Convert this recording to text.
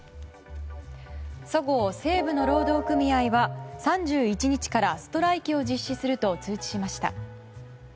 そごう・西武の労働組合は３１日からストライキを実施すると通知しました。